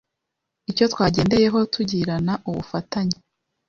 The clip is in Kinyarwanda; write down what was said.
Icyo twagendeyeho tugirana ubufatanye